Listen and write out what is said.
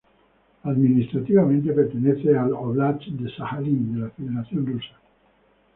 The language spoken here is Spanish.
Administrativamente pertenece al óblast de Sajalín de la Federación Rusa.